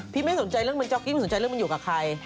ไม่สนใจเรื่องมันจ๊อกกี้ไม่สนใจเรื่องมันอยู่กับใคร